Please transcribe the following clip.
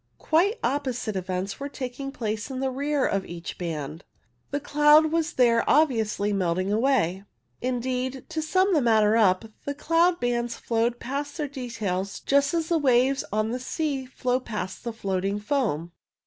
Quite oppo site events were taking place in the rear of each band. The cloud was there obviously melting away. Indeed, to sum the matter up, the cloud bands flowed past their details just as the waves on the sea flow past the floating foam.